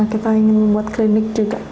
kita ingin membuat klinik juga